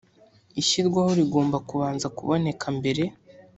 ishyirwaho rigomba kubanza kuboneka mbere